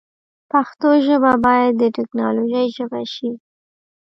پښتو ژبه باید د تکنالوژۍ ژبه شی